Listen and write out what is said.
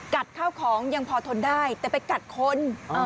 ข้าวของยังพอทนได้แต่ไปกัดคน